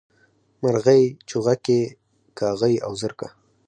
مرغۍ، چوغکي کاغۍ او زرکه